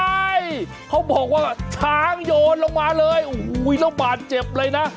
ใช่เขาบอกว่าช้างโยนลงมาเลยโอ้โหแล้วบาดเจ็บเลยนะ